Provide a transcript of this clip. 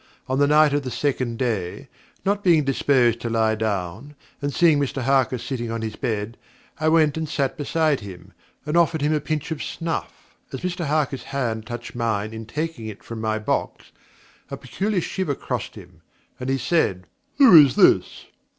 On the night of the second day, not being disposed to lie down, and seeing Mr Harker sitting on his bed, I went and sat beside him, and offered him a pinch of snuff. As Mr Harker's hand touched mine in taking it from my box, a peculiar shiver crossed him, and he said: 'Who is this!'